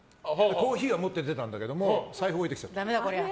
コーヒーは持って出たんだけど財布を置いてきちゃって。